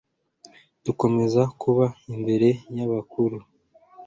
dukomeze kuba , imbere y'abakuru